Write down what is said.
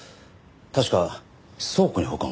確か倉庫に保管を。